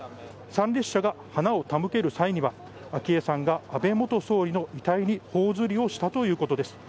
参列者が花を手向ける際には昭恵さんが安倍元総理の遺体に頬ずりをしたということです。